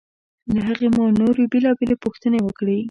له هغه مو نورې بېلابېلې پوښتنې وکړې.